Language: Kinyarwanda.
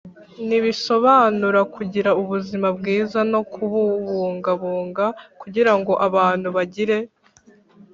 ntibisobanura kugira ubuzima bwiza no kububungabunga Kugira ngo abantu bagire